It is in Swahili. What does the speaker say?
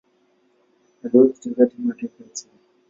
Aliwahi kucheza timu ya taifa ya Chile.